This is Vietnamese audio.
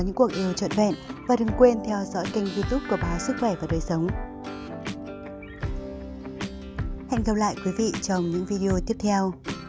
hẹn gặp lại các bạn trong những video tiếp theo